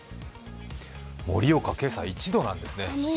盛岡は今朝１度なんですね。